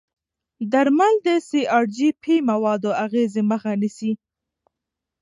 درمل د سي ار جي پي موادو اغېزې مخه نیسي.